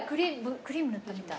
クリーム塗ったみたい。